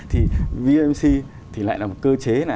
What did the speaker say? thì vamc thì lại là một cơ chế